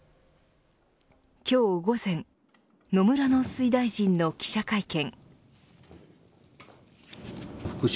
今日午前野村農水大臣の記者会見。